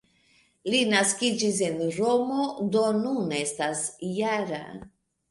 Li naskiĝis en Romo, do nun estas -jara.